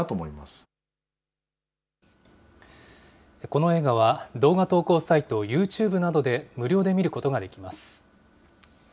この映画は動画投稿サイト、ユーチューブなどで、無料で見ることができます。